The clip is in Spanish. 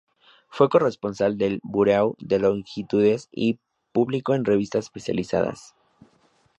Fue corresponsal del "Bureau de Longitudes" y publicó en revistas especializadas.